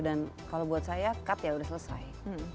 dan kalau buat saya cut ya udah selesai